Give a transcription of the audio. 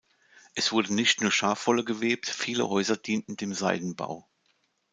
Es wurde nicht nur Schafwolle gewebt, viele Häuser dienten dem Seidenbau.